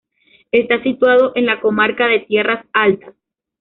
Está situado en la comarca de Tierras Altas.